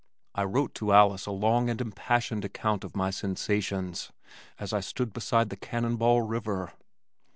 I wrote to Alice a long and impassioned account of my sensations as I stood beside the Cannonball River.